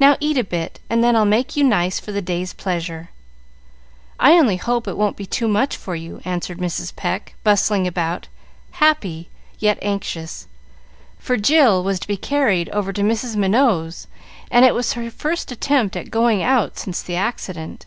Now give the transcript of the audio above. Now eat a bit, and then I'll make you nice for the day's pleasure. I only hope it won't be too much for you," answered Mrs. Pecq, bustling about, happy, yet anxious, for Jill was to be carried over to Mrs. Minot's, and it was her first attempt at going out since the accident.